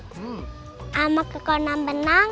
sama kekonam benang